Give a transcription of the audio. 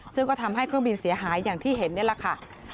ซึ่งก็ทำให้เครื่องบินเสียหายอย่างที่เห็นนี่แหละค่ะ